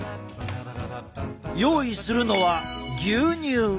用意するのは牛乳！